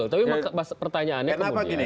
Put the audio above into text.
tapi pertanyaannya kemudian